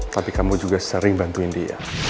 tapi kamu juga sering bantuin dia